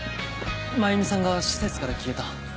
真弓さんが施設から消えた。